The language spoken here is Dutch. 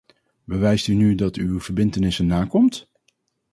Bewijst u nu dat u uw verbintenissen nakomt!